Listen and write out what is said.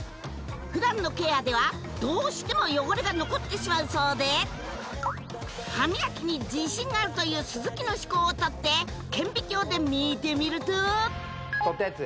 普段のケアではどうしても汚れが残ってしまうそうで歯磨きに自信があるという鈴木の歯垢をとって顕微鏡で見てみるととったやつ